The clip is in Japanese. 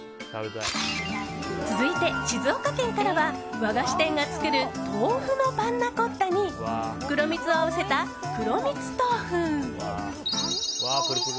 続いて、静岡県からは和菓子店が作る豆腐のパンナコッタに黒蜜を合わせた、黒みつ豆腐。